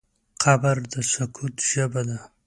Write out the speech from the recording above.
قبر د سکوت ژبه ده.